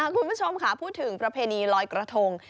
คุณผู้ชมค่ะพูดถึงประเพณีลอยกระทง